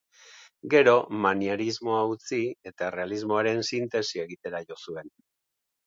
Gero, manierismoa utzi eta errealismoaren sintesia egitera jo zuen.